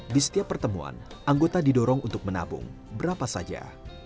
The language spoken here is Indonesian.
di setiap pertemuan anggota didorong untuk menabung berapa saja